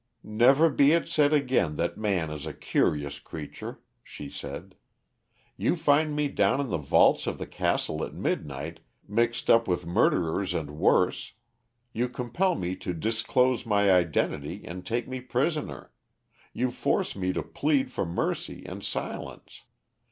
"Never be it said again that man is a curious creature," she said. "You find me down in the vaults of the castle at midnight mixed up with murderers and worse; you compel me to disclose my identity and take me prisoner; you force me to plead for mercy and silence.